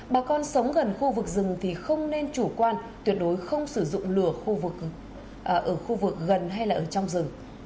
bà con sống gần khu vực rừng thì không nên chủ quan tuyệt đối không sử dụng lửa ở khu vực gần hay là ở trong rừng